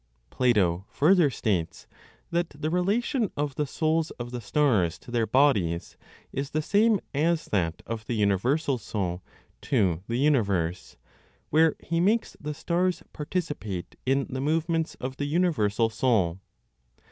(Plato) further states that the relation of the souls of the stars to their bodies is the same as that of the universal Soul to the universe, where he makes the stars participate in the movements of the universal Soul.